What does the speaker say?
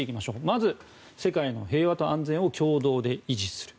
まず、世界の平和と安全を共同で維持する。